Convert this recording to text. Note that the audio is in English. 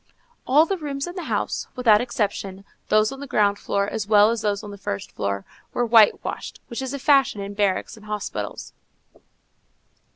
All the rooms in the house, without exception, those on the ground floor as well as those on the first floor, were white washed, which is a fashion in barracks and hospitals.